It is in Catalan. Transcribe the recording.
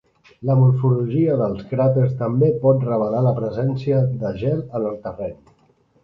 La morfologia dels cràters també pot revelar la presència de gel en el terreny.